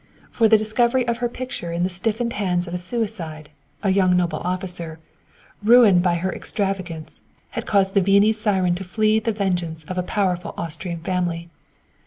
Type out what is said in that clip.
For the discovery of her picture in the stiffened hands of a suicide, a young noble officer, ruined by her extravagance, had caused the Viennese siren to flee the vengeance of a powerful Austrian family.